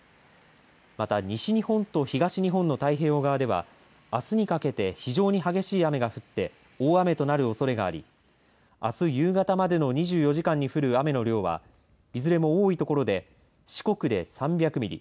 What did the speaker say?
また、西日本と東日本の太平洋側ではあすにかけて非常に激しい雨が降って大雨となるおそれがありあす夕方までの２４時間に降る雨の量はいずれも多いところで四国で３００ミリ